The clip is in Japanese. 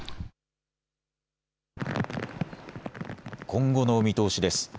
今後の見通しです。